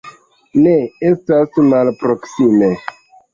Ne estas malproksime.